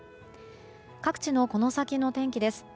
各地のこの先の天気です。